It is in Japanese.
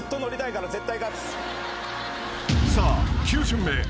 ［さあ９巡目］